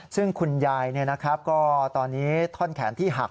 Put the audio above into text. ซึ่งคุณยายก็ตอนนี้ท่อนแขนที่หัก